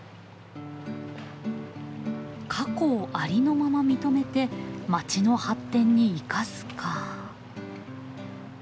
「過去をありのまま認めて街の発展に生かす」か。